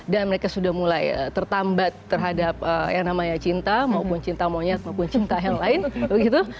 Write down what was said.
dan mereka sudah mulai tertambat terhadap yang namanya cinta maupun cinta monyet maupun cinta yang lain begitu